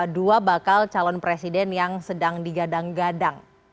dua bakal calon presiden yang sedang digadang gadang